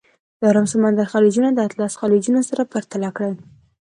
د ارام سمندر خلیجونه د اطلس خلیجونه سره پرتله کړئ.